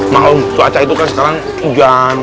malam itu kan sekarang hujan